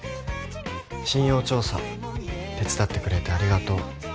信用調査手伝ってくれてありがとう。